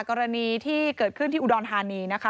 กรณีที่เกิดขึ้นที่อุดรธานีนะคะ